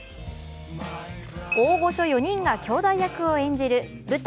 大御所４人が兄弟役を演じる舞台